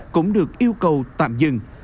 cũng được yêu cầu tạm dừng